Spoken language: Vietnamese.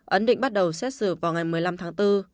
ấn định bắt đầu xét xử vào ngày một mươi năm tháng bốn